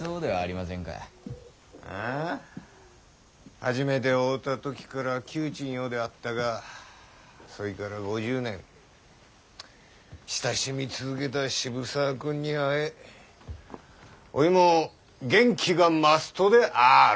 初めて会うた時から旧知んようであったがそいから５０年親しみ続けた渋沢君に会えおいも元気が増すとである。